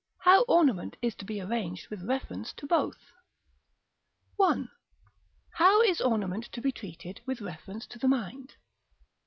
How ornament is to be arranged with reference to both. § III. (1.) How is ornament to be treated with reference to the mind?